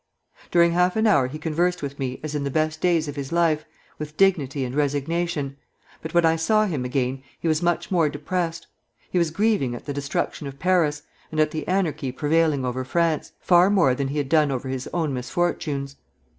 During half an hour he conversed with me as in the best days of his life, with dignity and resignation, but when I saw him again he was much more depressed. He was grieving at the destruction of Paris, and at the anarchy prevailing over France, far more than he had done over his own misfortunes.